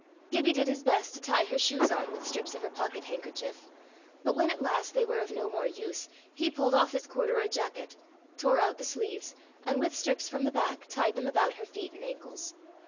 Gibbie did his best to tie her shoes on with strips of her pocket handkerchief; but when at last they were of no more use, he pulled off his corduroy jacket, tore out the sleeves, and with strips from the back tied them about her feet and ankles.